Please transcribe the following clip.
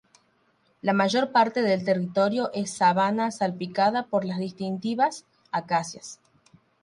La mayor parte del territorio es sabana salpicada por las distintivas acacias.